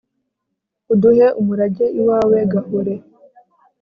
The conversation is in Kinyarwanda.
uduhe umurage iwawe, gahore